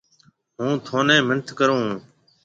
هُون ٿوني مِنٿ ڪرو هون۔